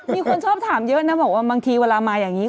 มีคนชอบถามเยอะนะบอกว่าบางทีเวลามาอย่างนี้